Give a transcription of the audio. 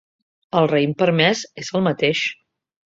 El raïm permès és el mateix.